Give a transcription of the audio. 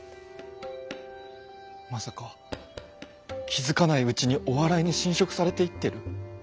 まさか気付かないうちにお笑いに侵食されていってる？